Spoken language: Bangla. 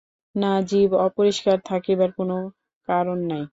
না, জিভ অপরিস্কার থাকিবার কোনো কারণ নাই।